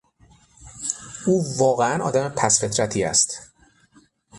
او واقعا آدم پست فطرتی است.